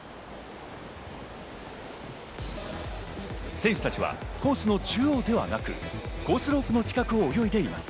選手たちはコースの中央ではなくコースロープの近くを泳いでいます。